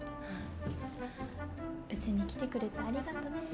うちに来てくれてありがとね。